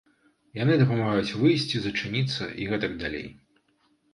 Яны дапамагаюць выйсці, зачыніцца і гэтак далей.